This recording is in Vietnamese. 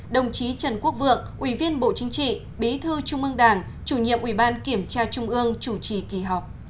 đồng chí trần quốc vượng ủy viên bộ chính trị bí thư trung ương đảng chủ nhiệm ủy ban kiểm tra trung ương chủ trì kỳ họp